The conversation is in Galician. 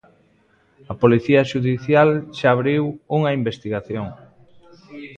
A Policía Xudicial xa abriu unha investigación.